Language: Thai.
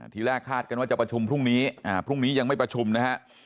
ทีแรกคาดกันว่าจะประชุมพรุ่งนี้พรุ่งนี้ยังไม่ประชุมนะฮะ